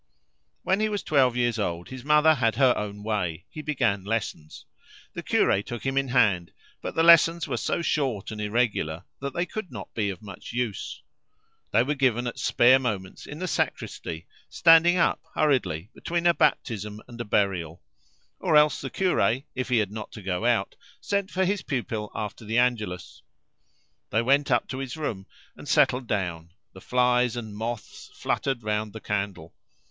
When he was twelve years old his mother had her own way; he began lessons. The curé took him in hand; but the lessons were so short and irregular that they could not be of much use. They were given at spare moments in the sacristy, standing up, hurriedly, between a baptism and a burial; or else the curé, if he had not to go out, sent for his pupil after the Angelus. They went up to his room and settled down; the flies and moths fluttered round the candle.